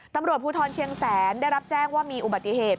ตำรวจภูทรเชียงแสนได้รับแจ้งว่ามีอุบัติเหตุ